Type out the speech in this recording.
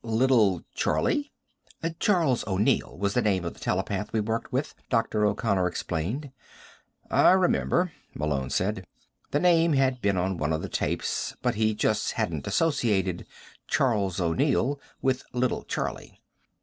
"Little Charlie?" "Charles O'Neill was the name of the telepath we worked with," Dr. O'Connor explained. "I remember," Malone said. The name had been on one of the tapes, but he just hadn't associated "Charles O'Neill" with "Little Charlie."